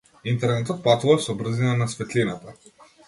Интернетот патува со брзина на светлината.